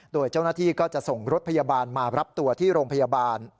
โดยเจ้าหน้าที่ก็จะส่งรถพยาบาลมารับตัวที่โรงพยาบาล